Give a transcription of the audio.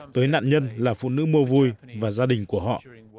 tới nạn nhân là phụ nữ mô vui và gia đình của họ